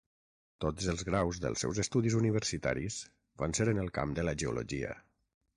Tots els graus dels seus estudis universitaris van ser en el camp de la geologia.